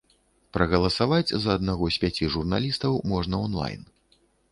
Прагаласаваць за аднаго з пяці журналістаў можна он-лайн.